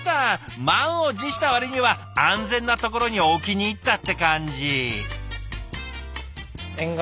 満を持した割には安全なところに置きにいったって感じ。